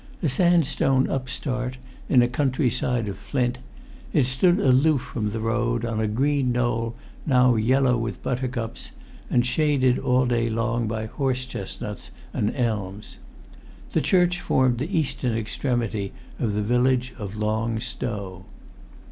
A sandstone upstart in a countryside of flint, it stood aloof from the road, on a green knoll now yellow with buttercups, and shaded all day long by horse chestnuts and elms. The church formed the eastern extremity of the village of Long Stow.